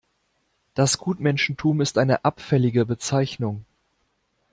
Das Gutmenschentum ist eine abfällige Bezeichnung.